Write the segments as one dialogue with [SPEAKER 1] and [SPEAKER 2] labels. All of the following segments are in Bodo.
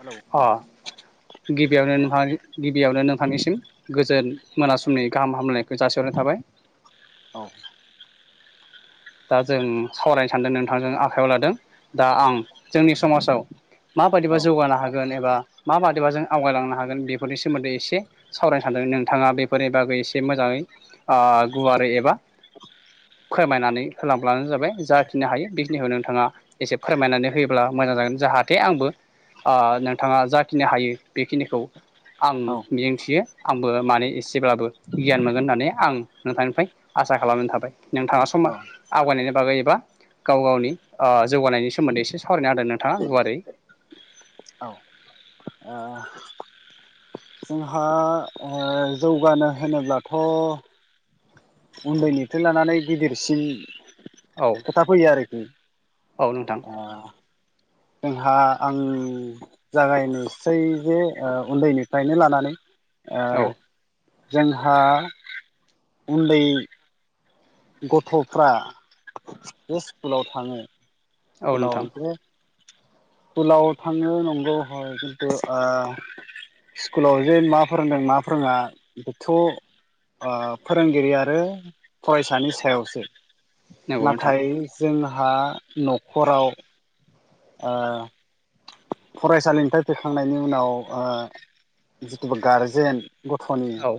[SPEAKER 1] हेलौ
[SPEAKER 2] अ गिबियावनो नोंफां गिबियावनो नोंथांनिसिम गोजोन मोना समनि गाहाम हामग्लायनायखो जासिहरनाय थाबाय।
[SPEAKER 1] औ
[SPEAKER 2] दा जों सावरायनो सान्दों नोंथांजों आखायाव लादों दा आं जोंनि समाजाव माबादिबा
[SPEAKER 1] औ
[SPEAKER 2] जौगानो हागोन एबा माबादिबा जों आवगायलांनो हागोन बेफोरनि सोमोन्दै एसे सावरायनो सानदों नोंथाङा बेफोरनि बागै एसे मोजाङै गुवारै एबा फोरमायनानै होलांब्लानो जाबाय जाखिनो हायो बेखिनिखौ नोंथाङा एसे फोरमायनानै होयोब्ला मोजां जागोन जाहाथे आंबो नोंथाङा जाखिनो हायो बेखिनिखौ आं
[SPEAKER 1] औ
[SPEAKER 2] मिजिंथियो आंबो मानो एसेब्लाबो गियान मोनगोन होननानै आं नोंथांनिफ्राय आसा खालामनानै थाबाय नोंथां सम आवगायनायनि बागै एबा गाव-गावनि जौगानायनि सोमोन्दै एसे सावरायना होदो नोंथाङा गुवारै
[SPEAKER 1] औ ओ जोंहा ओ जौगानो होनोब्लाथ' उन्दैनिफ्राय लानानै गिदिरसिन
[SPEAKER 2] औ
[SPEAKER 1] खोथा फैयो आरोखि।
[SPEAKER 2] औ नोंथां
[SPEAKER 1] ओ जोंहा आं जागायनोसै जे उन्दैनिफ्रायनो लानानै
[SPEAKER 2] औ
[SPEAKER 1] ओ जोंहा उन्दै गथ'फ्रा बे स्कुलाव थाङो
[SPEAKER 2] औ नोंथां
[SPEAKER 1] स्कुलाव जे स्कुलाव थांङो नंगौ हय खिन्थु स्कुलाव जे मा फोरोंदों मा फोरोंङा बेथ' फोरोंगिरि आरो फरायसानि सायावसो।
[SPEAKER 2] नंगौ नोंथां
[SPEAKER 1] नाथाय जों हा न'खराव ओ फरायसालिनिफ्राय फैखांनायनि उनाव ओ जिथुबा गारजेन गथ'नि
[SPEAKER 2] औ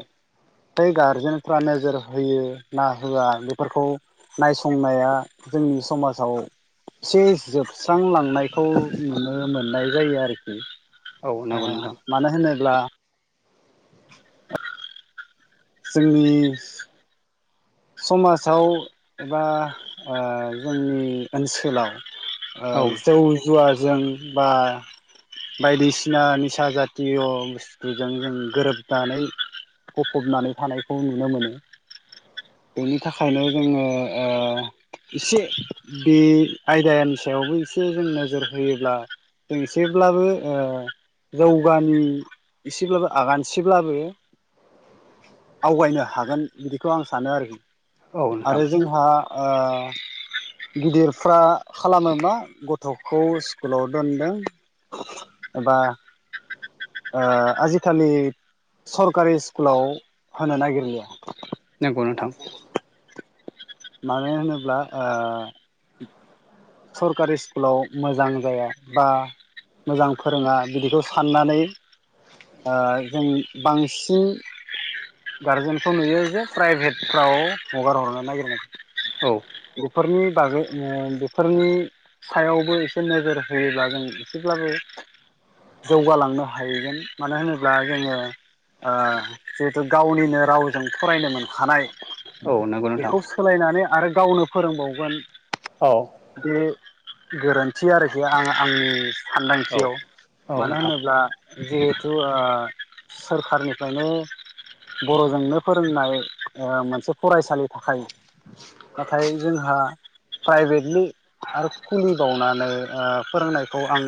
[SPEAKER 1] बै गारजेनफ्रा नोजोर होयो ना होआ बेफोरखौ नायसंनाया जोंनि समाजाव एसे जोब स्रांलांनायखौ नुनो मोन नाय जायो आरोखि।
[SPEAKER 2] औ
[SPEAKER 1] अ
[SPEAKER 2] नंगौ नोंथां
[SPEAKER 1] मानो होनो ब्ला [inaudible] जोंनि समाजाव एबा ओ जोंनि ओनसोलाव ओ
[SPEAKER 2] औ
[SPEAKER 1] जौ जुवा जों बा बायदिसिना निसा जातिय' बुस्थुजों जों गोरोबनानै गफ'बनानै थानायखौ नुनो मोनो। बेनि थाखायनो जोङो ओ इसे बे आयदानि सायावबो इसे जों नोजोर होयोब्ला जों एसेब्लाबो जौगानि इसेब्लाबो आगानसेब्लाबो आवगायनो हागोन बिदिखौ आं सा सानो आरोखि।
[SPEAKER 2] औ नोंथां
[SPEAKER 1] आरो जोंहा ओ गिदिरफ्रा खालामो मा गथखौ स्कुलाव दोनदों एबा ओ आजिखालि सरकारि स्कुलाव होनो नागिरलिया
[SPEAKER 2] नंगौ नोंथां।
[SPEAKER 1] मानो होनोब्ला ओ सरकारि स्कुलाव मोजां जाया बा मोजां फोरोङा बिदिखौ साननानै ओ जों बांसिन गारजेनखौ नुयो जे प्राइभेटफ्राव हगार हरनो
[SPEAKER 2] औ
[SPEAKER 1] नागिरनाया बेफोरनि बागैनो फोरनि सायावबो एसे नोजोर होयोब्ला जों एसेब्लाबो जौगालांनो हाहैगोन मानो होनोब्ला ओ जोङो जिहेथु गावनिनो रावजों फरायनो मोनखानाय
[SPEAKER 2] औ नंगौ नोंथां
[SPEAKER 1] बेखौ सोलायनानै आरो गावनो फोरोंबावगोन
[SPEAKER 2] औ
[SPEAKER 1] बे गोरोन्थि आरोखि आं आंनि
[SPEAKER 2] औ
[SPEAKER 1] सानदांथियाव मानो
[SPEAKER 2] नोंथां
[SPEAKER 1] होनोब्ला जिहेथु ओ सोरखारनिफ्रायनो बरजोंनो फोरोंनाय ओ मोनसे फरायसालि थाखायनो नाथाय जोंहा प्राइभेटलि आरो खुलिबावनानै ओ फोरोंनायखौ आं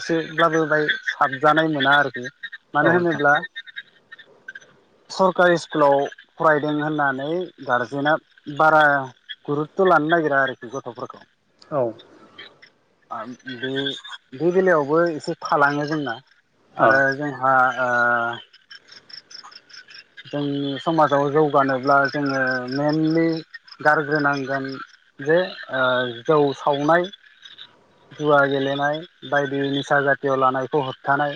[SPEAKER 1] एसेब्लाबो बाय साबजानाय मोना आरोखि
[SPEAKER 2] औ
[SPEAKER 1] मानो
[SPEAKER 2] नोंथां
[SPEAKER 1] होनोब्ला सरकारि स्कुलाव फरायदों होननानै गारजेना बारा गुरुतथ' लानो नागिरा आरोखि गथ'फोरखौ
[SPEAKER 2] औ
[SPEAKER 1] ओ बे बे बेलायावबो एसे थालाङो जोंना आरो जोंहा ओ जों समाजाव जौगानोब्ला जोङो मेनलि गारग्रोनांगोन जे ओ जौ सावनाय जुवा गेलेनाय बायदि निसा जाथियाव लानायखौ होबथानाय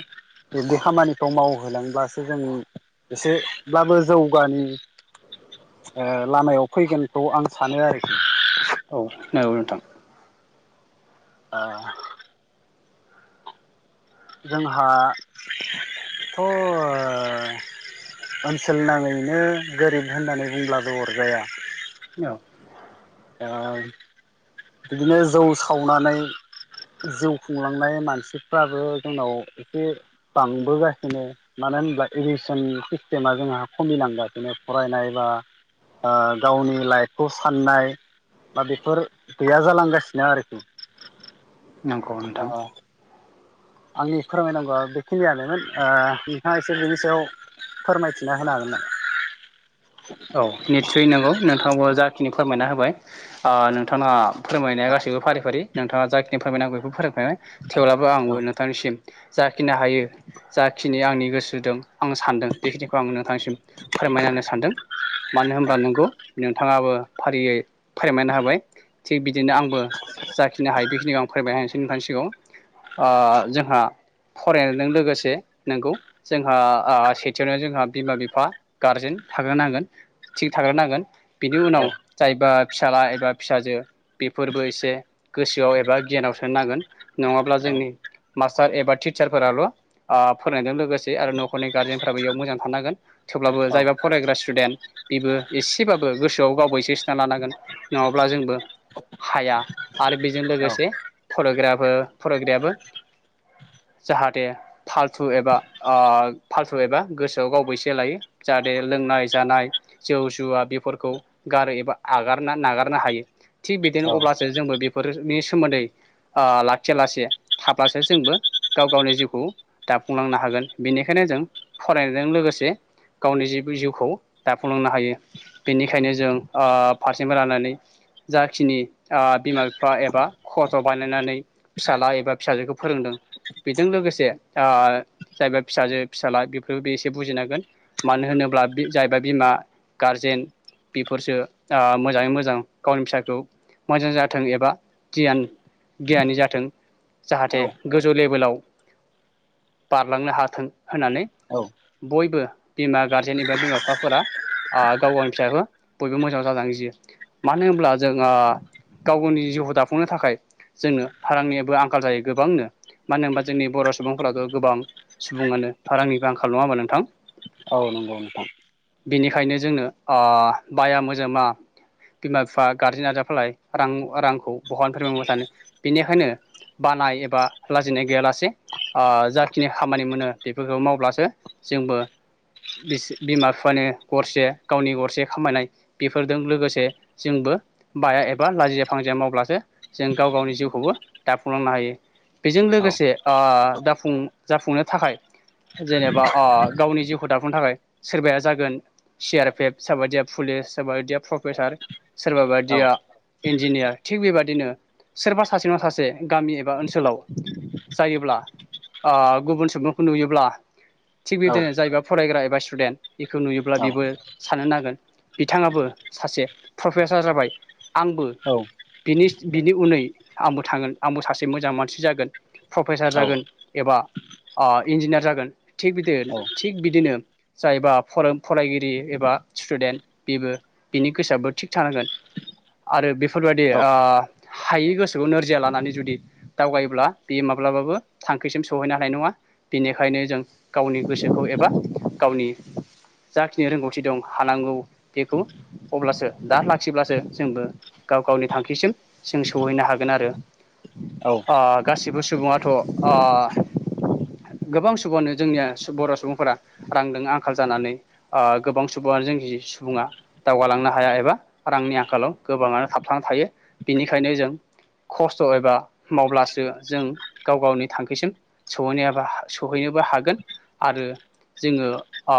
[SPEAKER 1] बिदि खामानिखौ मावहोलांब्लासो जों एसेब्लाबो जौगानि ओ लामायाव फैगोनखौ आं सानो आरोखि।
[SPEAKER 2] औ नंगौ नोंथां।
[SPEAKER 1] ओ जोंहाथ ओनसोल नाङैनो गोरिब होननानै बुंब्लाबो अरजाया।
[SPEAKER 2] औ
[SPEAKER 1] ओ बिदिनो जौ सावनानै जिउ खुंलांनाय मानसिफ्राबो जोंनाव एसे बांबोगासिनो मानो होनब्ला इडुकेसन सिस्टेमा जोंहा खमिनांगासिनो फरायनाय बा ओ‌ गावनि लाइफखौ साननाय दा बेफोर गैया जालांगासिनो आरोखि।
[SPEAKER 2] नंगौ
[SPEAKER 1] ओ
[SPEAKER 2] नोंथां।
[SPEAKER 1] आंनि फोरमायनांगौआ बेखिनियानोमोन ओ नोंथाङा एसे बिनि सायाव फोरमायथिना होनो हागोन नामा?
[SPEAKER 2] औ निस्सय नंगौ नोंथां जाखिनि फोरमायना होबाय ओ नोंथाङा फोरमायनाया गासैबो फारि फारि नोंथाङा जाखिनि फोरमायनांगौ बेखौ फोरमायफाबाय थेवब्लाबो आंबो नोंथांनिसिम जाखिनि हायो जाखिनि आंनि गोसो दं आं सानदों बेखिनिखौ आं नोंथांनिसिम फोरमायना‌ होनो सानदों। मानो होनब्ला नंगौ नोंथाङाबो फारियै फोरमायनो हाबाय थिग बिदिनो आंबो जाखिनि हायो बेखिनिखौ आं फोरायमायसै नोंथांनिसिगाङाव ओ जोंहा फरायनायजों लोगोसे नंगौ जोंहा ओ सेथियावनो जोंहा बिमा बिफा गारजेन थाग्रो नांगोन। थिग थाग्रो नांगोन। बिनि
[SPEAKER 1] औ
[SPEAKER 2] उनाव जायबा फिसााजला एबा फिसाजो बेफोरबो एसे गोसोआव एबा गियानाव सोनो नांगोन नङाब्ला
[SPEAKER 1] औ
[SPEAKER 2] जोंनि मास्टार एबा टिचारफोराल' फोररायनायजों लोगोसे आरो न'खरनि गारजेनफोराबो इयाव मोजां थानांगोन थवब्लाबो
[SPEAKER 1] औ
[SPEAKER 2] जायबा फरायग्रा स्टुडेन्ट बेबो एसेबाबो गोसोआव गावैसो सोनना लानांगोन नङाब्ला जोंबो हाया आरो बेजों लोगोसे फरायग्रफोर फरायग्रायाबो जाहाथे फाल्थु एबा‌ ओ फाल्थु एबा गोसोआव गावैसो लायो जाहाथे लोंनाय जानाय जौ जुवा बेफोरखौ गारो एबा आगारना नागारनो हायो थिग बिदिनो अब्लासो जोंबो बेफोरनि सोमोन्दै ओ लाखिया लासे थाब्लासो जोंबो गाव गावनि जिउखौ दाफुंलांनो हागोन बेनिखायनो जों फरायनायजों लोगोसे गावनि जि जिउखौ दाफुंलांनो हायो बेनिखायनो जों ओ फारसेनिफाय लानानै जाखिनि ओ बिमा बिफा एबा खथ बानायनानै फिसाला एबा फिसाजोखौ फोरोंदों बेजों लोगोसे ओ जायबा फिसाजो फिसाला बेफोरो बे एसे बुजिनांगोन मानो होनोब्ला बे जायबा बिमा गारजेन बेफोरसो ओ मोजाङै मोजां गावनि फिसाखौ मोजां जाथों एबा गियान गियानि जाथों
[SPEAKER 1] औ
[SPEAKER 2] जाहाथे गोजौ लेभेलाव बारलांनो हाथों। होनानै
[SPEAKER 1] औ
[SPEAKER 2] बयबो बिमा गारजेन एबा बिमा बिफाफोरा गाव गावनि फिसाखौ बयबो मोजां जाजानो गियो मानो होनब्ला जों ओ गाव गावनि जिउखौ दाफुंनो थाखाय जोंनो रारांनिबो आंखाल जायो गोबांनो मानो होनबा जोंनि बर' सुबुंफोरानो गोबां सुबुङानो रांनिबो आंखाल नङा होमबा नोंथां
[SPEAKER 1] औ नंगौ नोंथां
[SPEAKER 2] बिनिखायनो जोंङो ओ बाया मोजोमा बिमा बिफा गारजेन आजाफालाय रां रांखौ बहानिफाय मोननो सानो बिनिखायनो बानाय एबा लाजिनाय गैयालासे आ जाखिनि खामानि मोनो बेफोरखौ मावब्लासो जोंबो बिस बिमा माने गरसे गावनि गरसे खामायनाय बेफोरजों लोगोसे जोंबो बाया एबा लाजिया फांजिया मावब्लासो जों गाव गावनि जिउखौबो दाफुंलांनो हायो बेजों
[SPEAKER 1] औ
[SPEAKER 2] लोगोसे ओ दाफुं जाफुंनो थाखाय जेनेबा ओ गावनि जिउखौ दाफुंनो थाखाय सोरबाया जागोन सि आर पि एफ सोरबायदिया पुलिस सोरबायदिया प्रफेसार
[SPEAKER 1] औ
[SPEAKER 2] सोरबाबादिया इन्जिनियार थिग बेबादिनो सोरबा सासेङा सासे गामि एबा ओनसोलाव जायोब्ला ओ गुबुन सुबुंखौ नुयोब्ला थिग
[SPEAKER 1] औ
[SPEAKER 2] बेदिनो जायबा फरायग्रा एबा स्टुडेन्ट बेखौ नुयोब्ला बेबो साननो नांगोन बिथाङाबो सासे प्रफेसार जाबाय आंबोनि बिनि बिनि उनै आंबो थांगोन आंबो सासे मोजां मानसि जागोन। प्रफेसार
[SPEAKER 1] औ
[SPEAKER 2] जागोन एबा अ इन्जिनियार जागोन थिग बिदि थिग बिदिनो जायोबा फरों फरायगिरि एबा स्टुडेन्ट बेबो बिनि गोसोआबो थिग थानांगोन आरो बेफोरबायाददि
[SPEAKER 1] औ
[SPEAKER 2] ओ हायि गोसोखौ नोरजिया लानानै जुदि दावगायोब्ला बेयो माब्लाबाबो थांखिसिम सौहैनो हानाय नङा बिनिखायनो जों गावनि गोसोखौ एबा गावनि जाखिनि रोंगौथि दं हानांगौ बेखौ अब्लासो दा लाखिब्लासो जोंबो गाव गावनि थांखिसिम जों सौहैनो हागोन आरो
[SPEAKER 1] औ
[SPEAKER 2] ओ गासिबो सुबुङाथ' गोबां सुबआनो जोंनिया बर' सुबुंफोरा रांजों आंखाल जानानै गोबां सुबङानो जों सुबुङा दावगालांनो हाया एबा रांनि आंखालाव गोबाङानो थाबथांना थायो बिनिखायनो जों खस्थ' एबा मावब्लासो जों गाव गावनि थांखिसिम सहैनायाबा सहैनोबो हागोन आरो जोङो ओ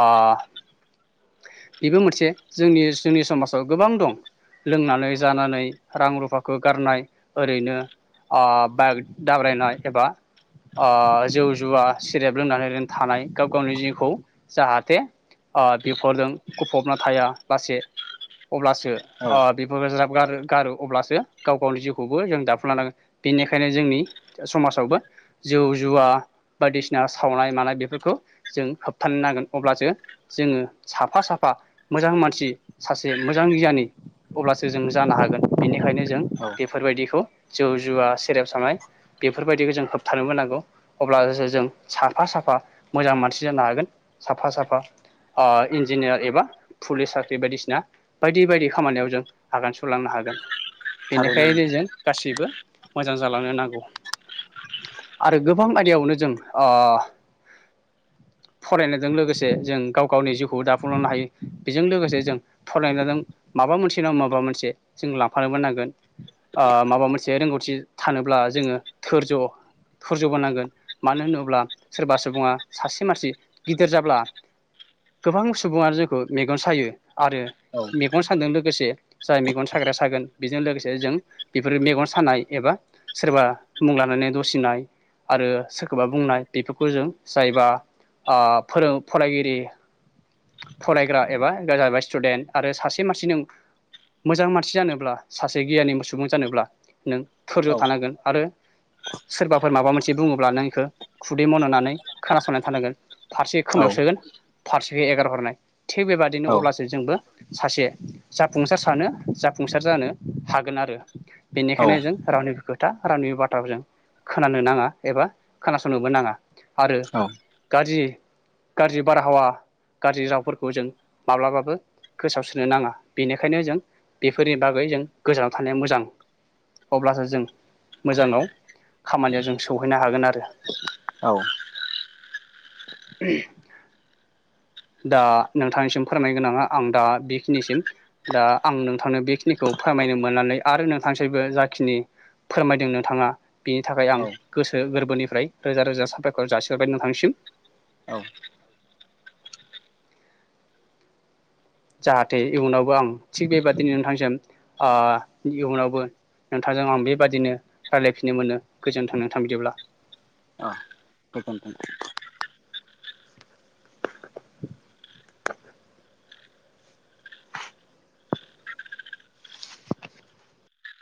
[SPEAKER 2] बेबो मोनसे जोंनि जोंनि समाजाव गोबां दं लोंनानै जानानै रां रुफाखौ गारनाय ओरैनो ओ बाइक दाब्रायनाय एबा जौ जुवा सेरेब लोंनानै ओरैनो थानाय गाव गावनि जिउखौ जाहाथे ओ बेफोरजों गुफबना थाया लासे अब्लासो
[SPEAKER 1] औ
[SPEAKER 2] ओ बेखौ ज्राब गार गारो अब्लासो गाव गावनि जिउखौबो जों दाफुंना लागोन बेनिखायनो जोंनि समाजावबो जौ जुवा बायदिसिना सावनाय मानाय बेफोरखौ जों होबथानो नांगोन अब्लासो जोङो साफा साफा मोजां मानसि सासे मोजां गियानि अब्लासो जों जानो हागोन बेनिखायनो जों
[SPEAKER 1] औ
[SPEAKER 2] बेफोरबायदिखौ जौ जुवा सेरेब सानाय बेफोरबायदिखौ जों होबथानोबो नांगौ अब्लासो जों साफा साफा मोजां मानसि जानो हागोन साफा साफा। ओ इन्जिनियार एबा पुलिस साख्रि बायदिसिना बायदि बायदि खामानियाव जों आगान सुरलांनो हागोन
[SPEAKER 1] थारैनो
[SPEAKER 2] बेनिखायनो जों गासैबो मोजां जालांनो नांगौ आरो गोबां आयदायावनो जों ओ फरायनायजों लोगोसे जों गाव गावनि जिउखौ दाफुंलांनो हायो बेजों लोगोसे जों फरायनायजों माबा मोनसे नङा माबा मोनसे जों लांफानोबो नांगोन माबा मोनसे रोंगौथि थानोब्ला जोङो थोरज' थोरज'बो नांगोन मानो होनोब्ला सोरबा सुबुङा सासे मानसि गिदिर जाब्ला गोबां सुबुङानो जोंखौ मेगन सायो आरो
[SPEAKER 1] नोंथां
[SPEAKER 2] मेगन सादों लोगोसे जाय मेगन साग्रााया सागोन बेजों लोगोसे जों बेफोर मेगन सानाय एबा सोरबा मुं लानानै दसिनाय आरो सोरखौबा बुंनाय बेफोरखौ जों जायबा फोरों फरायगिरि फरायग्रा एबा जाहैबाय स्टुडेन्ट आरो सासे मानसिनि मोजां मानसि जानोब्ला सासे गियानि सुबुं जानोब्ला नों धोरज'
[SPEAKER 1] औ
[SPEAKER 2] थानांगोन आरो सोरबाफोर माबा मोनसे बुङोब्ला नों बेखौ खुदै मननानै खोनासंनानै थानांगोन फारसे
[SPEAKER 1] औ
[SPEAKER 2] खोमायाव सोगोन फारसे एगार हरनाय थिग बेबादिनो
[SPEAKER 1] औ
[SPEAKER 2] अब्लासो जोंबो सासे जाफुंसार सानो जाफुंसार जानो हागोन आरो
[SPEAKER 1] औ
[SPEAKER 2] बेनिखायनो जों रावनिबो खोथा रावनिबो बाथ्राखौ जों खोनानो नाङा एबा खोनासंनोबो नाङा आरो
[SPEAKER 1] औ
[SPEAKER 2] गाज्रि गाज्रि बारहावा गाज्रि रावफोरखौ जों माब्लाबाबो गोसआवसोनो नाङा बेनिखायनो जों बेफोरनि बागै जों गोजानाव थानाया मोजां अब्लासो जों मोजाङाव खामानियाव जों सौहैनो हागोन आरो
[SPEAKER 1] औ
[SPEAKER 2] [unintelligible] दा नोंथांनिसिम फोरमायनो गोनाङा आं दा बेखिनिसिम दा आं नोंथांनो बेखिनिखौ फोरमायनो मोननानै आरो नोंथांनिसबो जाखिनि फोरमायदों नोंथाङा बेनि थाखाय आं
[SPEAKER 1] औ
[SPEAKER 2] गोसो गोरबोनिफ्राय रोजा रोजा साफायखर जासिहरबाय नोंथांनिसिम।
[SPEAKER 1] औ
[SPEAKER 2] जाहाथे इयुनावबो आं थिग बेबादिनो नोंथांजों ओ इयुनावबो नोंथांजों आं बेबादिनो रायलायफिननो मोनो गोजोनथं नोंथां बिदिब्ला।
[SPEAKER 1] गोजोनथों।